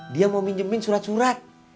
dia mau minjemin surat surat